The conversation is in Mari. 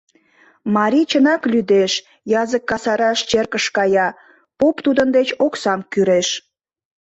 Марий чынак лӱдеш, язык касараш черкыш кая, поп тудын деч оксам кӱреш.